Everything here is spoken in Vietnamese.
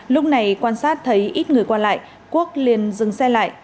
lúc này quan sát thấy ít người qua lại quốc liền dừng xe lại